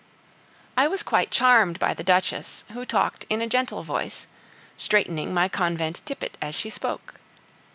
I was quite charmed by the Duchess, who talked in a gentle voice, straightening my convent tippet as she spoke.